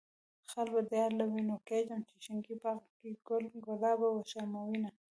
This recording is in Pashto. خال به د يار له وينو کيږدم، چې شينکي باغ کې ګل ګلاب وشرموينه.